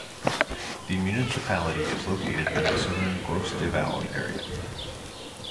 The municipality is located in the southern Gros-de-Vaud area.